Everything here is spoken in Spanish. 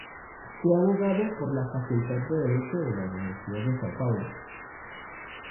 Fue abogado por la Facultad de Derecho de la Universidad de São Paulo.